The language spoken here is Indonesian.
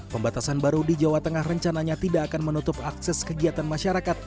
pembatasan baru di jawa tengah rencananya tidak akan menutup akses kegiatan masyarakat